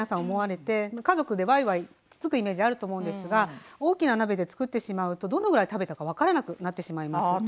思われて家族でワイワイつつくイメージあると思うんですが大きな鍋で作ってしまうとどのぐらい食べたか分からなくなってしまいます。